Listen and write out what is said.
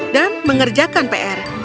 dan mengerjakan pr